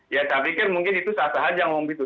ya saya pikir mungkin itu salah satu yang ngomong gitu